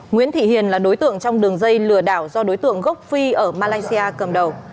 nguyễn thị hiền là đối tượng trong đường dây lừa đảo do đối tượng gốc phi ở malaysia cầm đầu